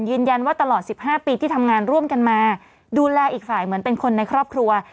ตลอด๑๕ปีที่ทำงานร่วมกันมาดูแลอีกฝ่ายเหมือนเป็นคนในครอบครัว